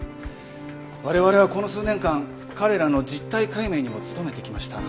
我々はこの数年間彼らの実体解明にも努めてきました。